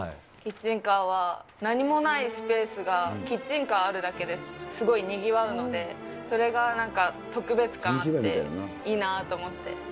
キッチンカーは何もないスペースが、キッチンカーあるだけで、すごいにぎわうので、それがなんか、特別感あっていいなぁと思って。